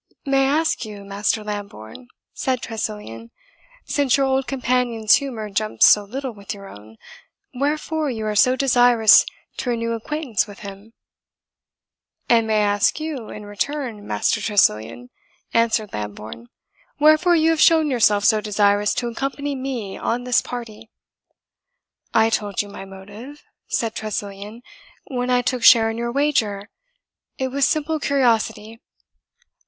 "May I ask you, Master Lambourne," said Tressilian, "since your old companion's humour jumps so little with your own, wherefore you are so desirous to renew acquaintance with him?" "And may I ask you, in return, Master Tressilian," answered Lambourne, "wherefore you have shown yourself so desirous to accompany me on this party?" "I told you my motive," said Tressilian, "when I took share in your wager it was simple curiosity."